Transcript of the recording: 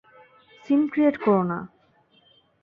Scene create কোরো না।